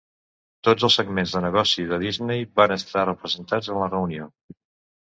Tots els segments de negoci de Disney van estar representats en la reunió.